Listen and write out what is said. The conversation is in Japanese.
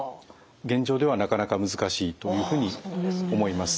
現状ではなかなか難しいというふうに思います。